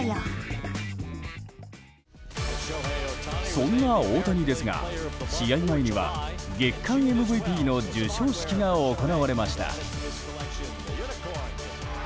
そんな大谷ですが試合前には月間ＭＶＰの授賞式が行われました。